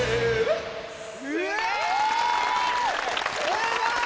すごい！